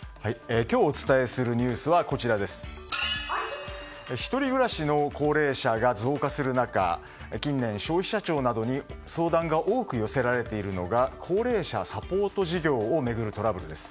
今日、お伝えするニュースは１人暮らしの高齢者が増加する中近年、消費者庁などに相談が多く寄せられているのが高齢者サポート事業を巡るトラブルです。